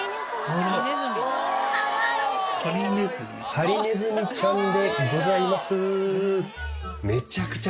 ハリネズミちゃんでございます。